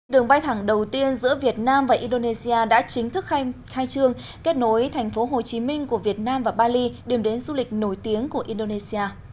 đường bay thẳng đầu tiên giữa việt nam và indonesia đã chính thức khai trương kết nối thành phố hồ chí minh của việt nam và bali điểm đến du lịch nổi tiếng của indonesia